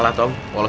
manda buat ruang